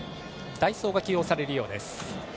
代走が起用されるようです。